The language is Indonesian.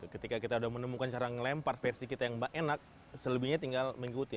ketika kita udah menemukan cara ngelempar versi kita yang enak selebihnya tinggal mengikuti